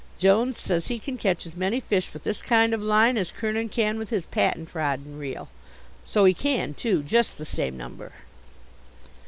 Jones says he can catch as many fish with this kind of line as Kernin can with his patent rod and wheel. So he can too. Just the same number.